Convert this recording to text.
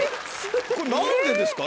これ何でですか？